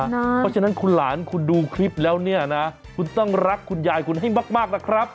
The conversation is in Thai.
เพราะฉะนั้นคุณหลานคุณดูคลิปแล้วเนี่ยนะคุณต้องรักคุณยายคุณให้มากนะครับ